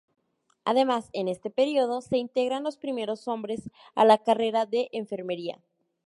Además, en este periodo se integran los primeros hombres a la carrera de Enfermería.